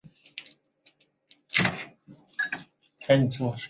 曲目部分皆为通常盘完整曲目。